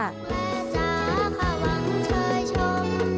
แม่จ๋าค่ะหวังชายชม